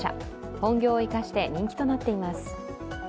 本業を生かして人気となっています。